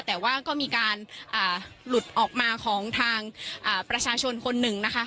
แต่ว่าก็มีการหลุดออกมาของทางประชาชนคนหนึ่งนะคะ